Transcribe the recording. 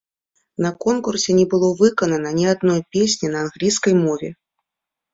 На конкурсе не было выканана ні адной песні на англійскай мове.